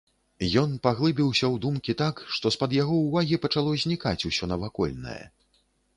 Ён паглыбіўся ў думкі так, што з-пад яго ўвагі пачало знікаць усё навакольнае.